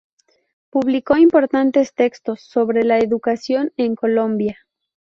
Publicó importantes textos sobre la educación en Colombia.